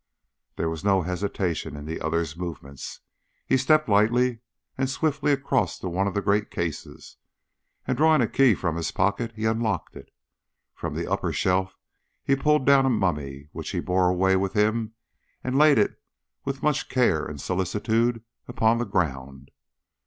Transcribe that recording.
There was no hesitation in the other's movements. He stepped lightly and swiftly across to one of the great cases, and, drawing a key from his pocket, he unlocked it. From the upper shelf he pulled down a mummy, which he bore away with him, and laid it with much care and solicitude upon the ground.